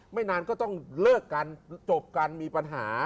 ไม่นานก็ต้องเลิกกันจบกันมีปัญหา